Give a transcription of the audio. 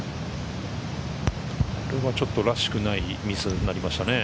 これはちょっとらしくないミスになりましたね。